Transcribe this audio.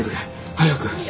早く！